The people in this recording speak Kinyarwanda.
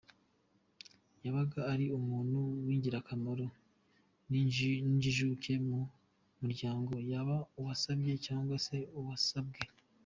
Yabaga ari umuntu w’ingirakamaro n’injijuke mu muryango yaba uwasabye cyangwa se uwasabwe.